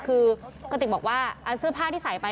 คือกระติกบอกว่าเสื้อผ้าที่ใส่ไป